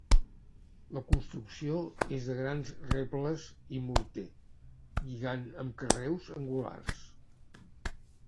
La construcció és de grans rebles i morter, lligant amb carreus angulars.